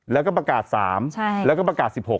แล้วก็ประกาศ๓แล้วก็ประกาศ๑๖